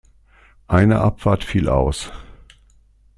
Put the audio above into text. Eine Abfahrt fiel aus.